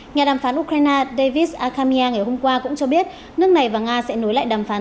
nhà đàm phán ukraine david akhamya ngày hôm qua cũng cho biết nước này và nga sẽ nối lại đàm phán